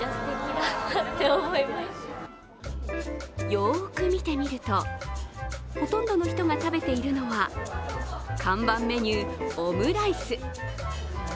よーく見てみると、ほとんどの人が食べているのは看板メニュー・オムライス。